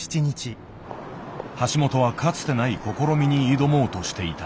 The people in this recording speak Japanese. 橋本はかつてない試みに挑もうとしていた。